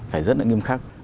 phải rất là nghiêm khắc